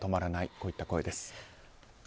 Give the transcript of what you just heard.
こういった声です。